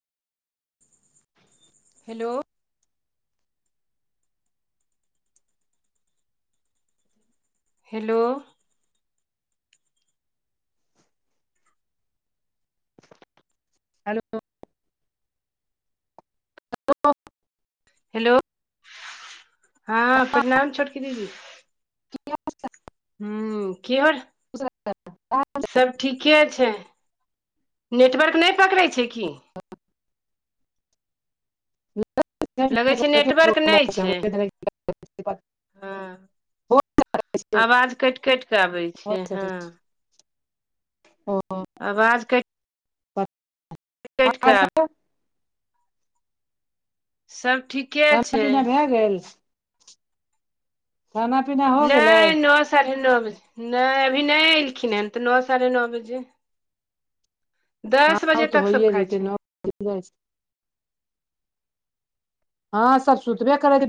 hello hello hello hello हँ प्रणाम छोटकी दीदी हू कि होल [unintelligible] सब ठीके छै नेटवर्क नहि पकड़ै छै की लगै छै नेटवर्क नहि छै [unintelligible] हँ [unintelligible] आवाज कट कट केऽ आबै छै हँ ओ आवाज कै कऽ आर सब [unintelligible] आबै सब ठीक खाना पीना भेए गेल खाना पीना हो गेलै नहि नौ साढ़े नौ बजे नहि अभी नहि एयलखिन है त नौ साढ़े नौ बजे दस बजे तक सब खाइ छै छै [unintelligible] हँ सब सुतबे करे छै